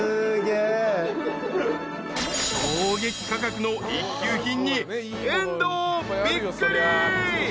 ［衝撃価格の一級品に遠藤びっくり］